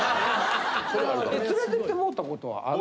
連れてってもうたことはあるの？